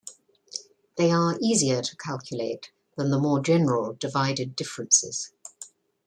They are easier to calculate than the more general divided differences.